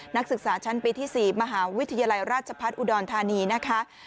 นักศึกษาชั้นปีที่๔มหาวิทยาลัยราชพัฒน์อุดรธานีนะคะ